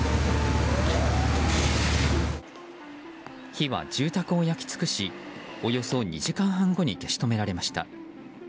火は住宅を焼き尽くしおよそ２時間半後に消し止められました。